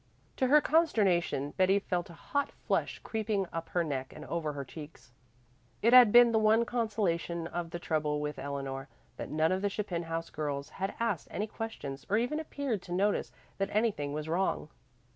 To her consternation Betty felt a hot flush creeping up her neck and over her cheeks. It had been the one consolation in the trouble with Eleanor that none of the Chapin house girls had asked any questions or even appeared to notice that anything was wrong.